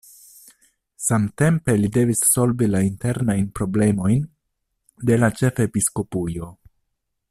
Samtempe li devis solvi la internajn problemojn de la ĉefepiskopujo.